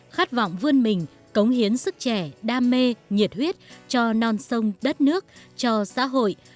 khát vọng vươn mình cống hiến sức trẻ đam mê nhiệt huyết cho non sông đất nước cho xã hội